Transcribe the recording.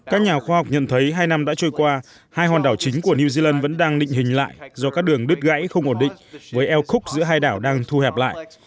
các nhà khoa học nhận thấy hai năm đã trôi qua hai hòn đảo chính của new zealand vẫn đang định hình lại do các đường đứt gãy không ổn định với eo khúc giữa hai đảo đang thu hẹp lại